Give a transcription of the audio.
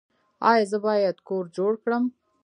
ایا زه باید کور جوړ کړم؟